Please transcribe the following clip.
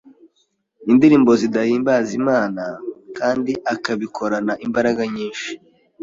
indirimbo zidahimbaza Imana kandi akabikorana imbaraga nyinshi,